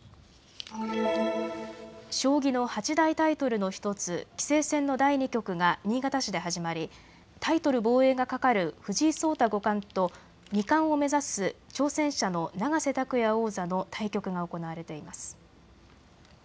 将棋の八大タイトルの１つ、棋聖戦の第２局が新潟市で始まりタイトル防衛がかかる藤井聡太五冠と二冠を目指す挑戦者の永瀬拓矢王座の対局が行われています。